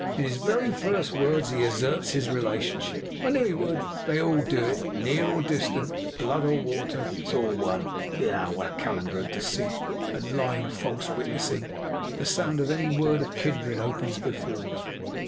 'In his very first words he asserts his relationship! I knew he would; they all do it! Near or distant, blood or water, it's all one. Ugh! What a calendar of deceit, and lying, and false witnessing, the sound of any word of kindred opens before me!